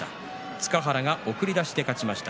塚原が送り出しで勝ちました。